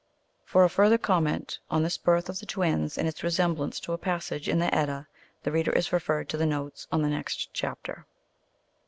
For a further comment on this birth of the twins and its resemblance to a passage in the Edda, the reader is referred to the notes on the next chapter.